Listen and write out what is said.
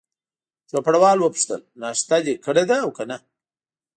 چوپړوال وپوښتل: ناشته دي کړې ده او که نه؟